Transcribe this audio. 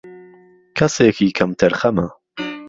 کەسێکی کەم تەرخەمە